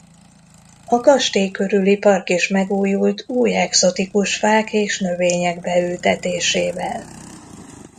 A kastély körüli park is megújult új egzotikus fák és növények beültetésével.